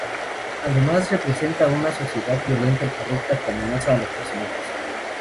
Además, representa a una sociedad violenta y corrupta que amenaza a los personajes.